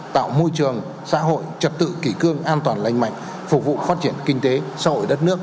tạo môi trường xã hội trật tự kỷ cương an toàn lành mạnh phục vụ phát triển kinh tế xã hội đất nước